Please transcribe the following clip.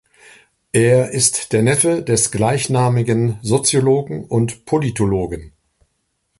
Er ist der Neffe des gleichnamigen Soziologen und Politologen.